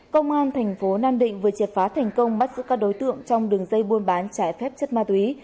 công an thành phố nam định vừa triệt phá thành công bắt giữ các đối tượng trong đường dây buôn bán trái phép chất ma túy